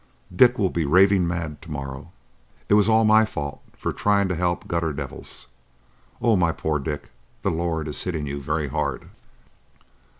Dick will be raving mad to morrow. It was all my fault for trying to help gutter devils. Oh, my poor Dick, the Lord is hitting you very hard!"